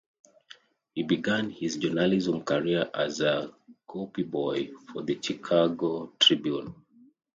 He began his journalism career as a copyboy for the "Chicago Tribune".